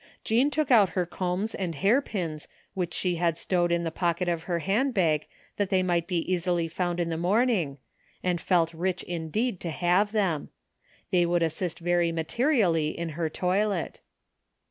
Jean took out her combs and hair pins which she had stowed in the pocket of her handbag that they might be easily foimd in the morning, and felt ridi indeed to have them. They would assist very materially in her toilet.